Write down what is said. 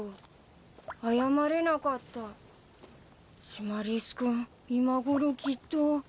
シマリス君今ごろきっと。